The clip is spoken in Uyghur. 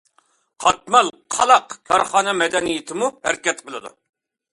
قاتمال، قالاق كارخانا مەدەنىيىتىمۇ ھەرىكەت قىلىدۇ.